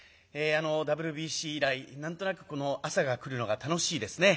あのＷＢＣ以来何となくこの朝が来るのが楽しいですね。